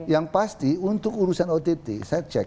yang pasti untuk urusan ott saya cek